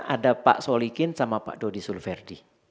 ada pak solikin sama pak dodi sulverdi